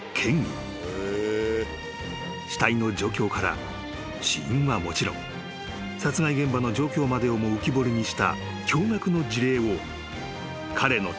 ［死体の状況から死因はもちろん殺害現場の状況までをも浮き彫りにした驚愕の事例を］